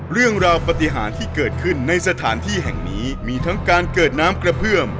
ปฏิหารที่เกิดขึ้นในสถานที่แห่งนี้มีทั้งการเกิดน้ำกระเพื่อม